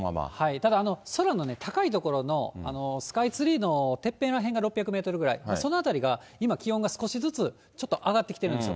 ただ、空の高い所の、スカイツリーのてっぺんら辺が６００メートルぐらい、その辺りが今、気温が少しずつちょっと上がってきてるんですよ。